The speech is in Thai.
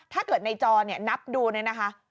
ถ้าเกิดในจอนับดูนี่นะคะ